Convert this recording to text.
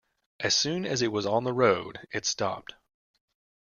As soon as it was on the road it stopped.